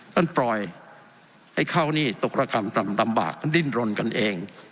ท่านปล่อยให้เข้านี่ตกละกล่ำตำบากดิ้นรนกันเอง